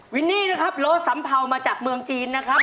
วินนี่โลศัมเภามาจากเมืองจีนนะครับ